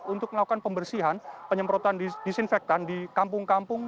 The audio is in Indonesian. untuk melakukan pembersihan penyemprotan disinfektan di kampung kampung